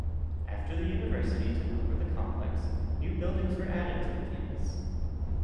After the university took over the complex, new buildings were added to the campus.